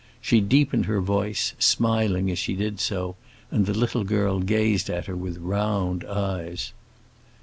She deepened her voice, smiling as she did so, and the little girl gazed at her with round eyes.